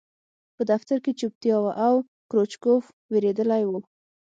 په دفتر کې چوپتیا وه او کروچکوف وېرېدلی و